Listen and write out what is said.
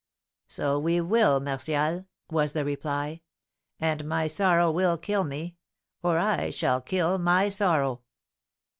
"So we will, Martial," was the reply; "and my sorrow will kill me, or I shall kill my sorrow."